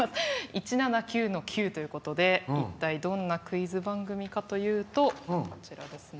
「１７９」の「Ｑ」ということで一体どんなクイズ番組かというと。